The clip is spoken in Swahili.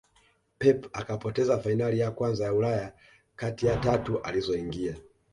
pep akapoteza fainali ya kwanza ya ulaya kati ya tatu alizoingia